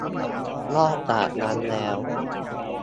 นอกจากนั้นแล้ว